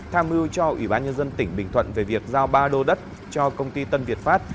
tham mưu cho ủy ban nhân dân tỉnh bình thuận về việc giao ba đô đất cho công ty tân việt pháp